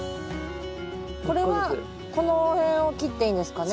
これはこの辺を切っていいんですかね？